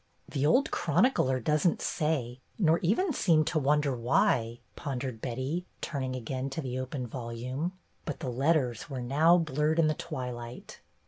"The old chronicler doesn't say nor even seem to wonder why," pondered Betty, turn ing again to the open volume. But the letters were now blurred in the twilight.